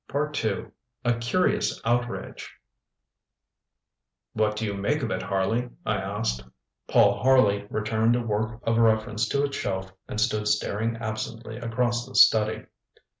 ŌĆØ II A CURIOUS OUTRAGE ŌĆ£What do you make of it, Harley? ŌĆØ I asked. Paul Harley returned a work of reference to its shelf and stood staring absently across the study.